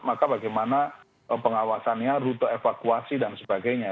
maka bagaimana pengawasannya rute evakuasi dan sebagainya